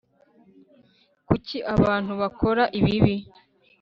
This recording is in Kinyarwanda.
Kuki abantu bakora ibibi